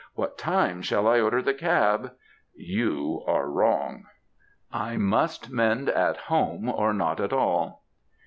What time shall I order the cab?^ you are wrong! I must mend at home or not at all."